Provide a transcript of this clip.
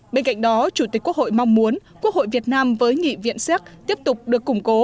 bên cạnh đó chủ tịch quốc hội mong muốn quốc hội việt nam với nghị viện séc tiếp tục được củng cố